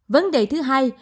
vấn đề thứ hai